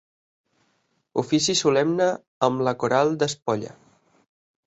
Ofici solemne amb la coral d'Espolla.